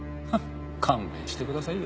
勘弁してくださいよ。